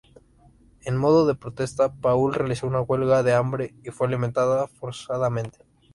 En modo de protesta, Paul realizó una huelga de hambre y fue alimentada forzadamente.